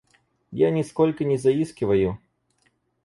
Я нисколько не заискиваю.